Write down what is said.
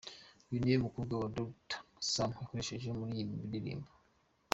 Uyu niwe mukobwa Dr Sam yakoresheje muri iyo ndirimbo.